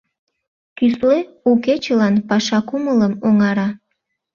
Кӱсле у кечылан паша кумылым оҥара.